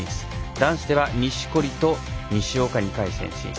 男子では錦織と西岡、２回戦進出。